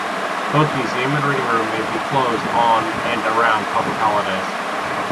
Both museum and reading room may be closed on and around public holidays.